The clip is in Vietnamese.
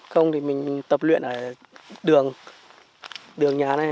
không thì mình tập luyện ở đường nhà này